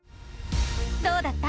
どうだった？